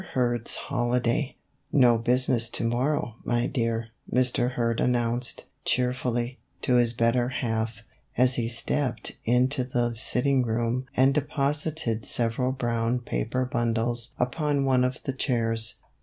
'" MR. KURD'S HOLIDAY " IV TO business to morrow, my dear," Mr. Hurd 1 \l announced, cheerfully, to his better half, as he stepped into the sitting room and deposited sev eral brown paper bundles upon one of the chairs.